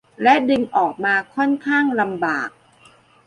และดึงออกมาค่อนข้างลำบาก